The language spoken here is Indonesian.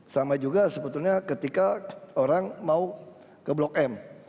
sama juga sebetulnya ketika orang mau ke blok m